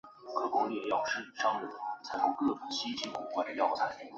种子岛氏是日本九州地区的一个氏族。